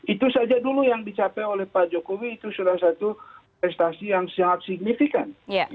itu saja dulu yang dicapai oleh pak jokowi itu sudah satu prestasi yang sangat signifikan